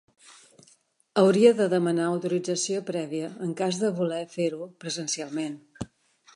Hauria de demanar autorització prèvia en cas de voler fer-ho presencialment.